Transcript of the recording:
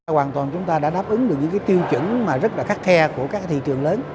hoàn toàn chúng ta đã đáp ứng được những tiêu chuẩn rất khắc khe của các thị trường lớn